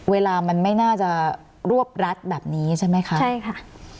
เวลามันไม่น่าจะรวบรัดแบบนี้ใช่ไหมคะใช่ค่ะ